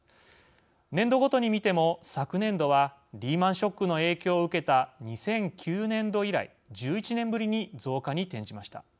年度ごとに見ても昨年度はリーマンショックの影響を受けた２００９年度以来１１年ぶりに増加に転じました。